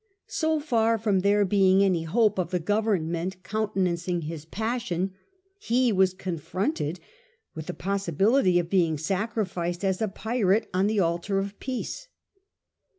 So far from there being any hope of the Government countenancing his passion, he was con fronted with the possibility of being sacrificed as a pirate on the altar of Peace.